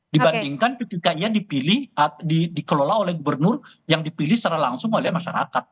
dibandingkan ketika ia dipilih dikelola oleh gubernur yang dipilih secara langsung oleh masyarakat